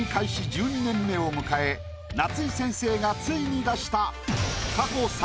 １２年目を迎え夏井先生がついに出した過去。